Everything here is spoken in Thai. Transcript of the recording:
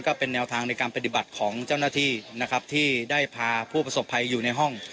ก็เป็นแนวทางในการปฏิบัติของเจ้าหน้าที่นะครับที่ได้พาผู้ประสบภัยอยู่ในห้อง